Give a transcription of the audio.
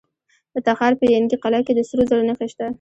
د تخار په ینګي قلعه کې د سرو زرو نښې شته.